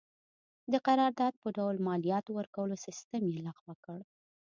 د قرارداد په ډول مالیاتو ورکولو سیستم یې لغوه کړ.